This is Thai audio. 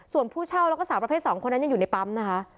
ส่วนผู้เช่าแล้วก็สาวประเภท๒คนนั้นยังอยู่ในปั๊มนะคะ